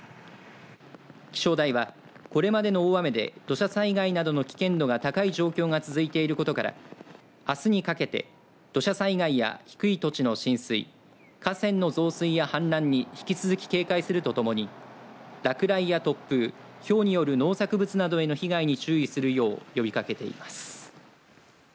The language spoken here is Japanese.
気象台はこれまでの大雨で土砂災害などの危険度が高い状況が続いていることからあすにかけて土砂災害や低い土地の浸水河川の増水や氾濫に引き続き警戒するとともに落雷や突風ひょうによる農作物などへの被害に注意するよう呼びかけています。